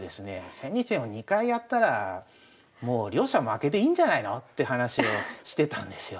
千日手も２回やったらもう両者負けでいいんじゃないのって話をしてたんですよ。